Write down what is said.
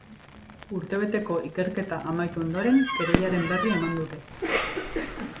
Urtebeteko ikerketa amaitu ondoren kereilaren berri eman dute.